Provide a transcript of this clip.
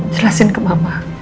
jelasin ke mama